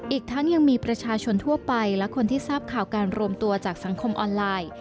อีกทั้งยังมีประชาชนทั่วไปและคนที่ทราบข่าวการรวมตัวจากสังคมออนไลน์